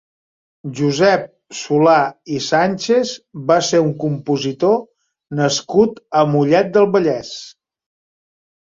Josep Solà i Sànchez va ser un compositor nascut a Mollet del Vallès.